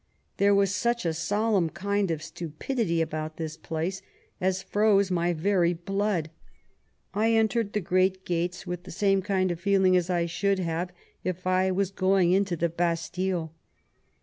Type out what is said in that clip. There was such a solenm kind ef stupidity about this place as froze my very blood. 1 entered the great gates with the same kind of feeling as I should have if I was going into the Bastille.